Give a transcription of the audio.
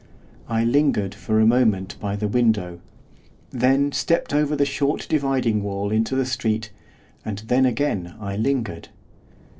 I lingered for a moment by the window; then stepped over the short dividing wall into the street; and then again I lingered.